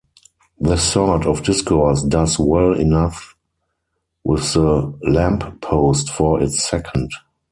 This sort of discourse does well enough with the lamppost for its second.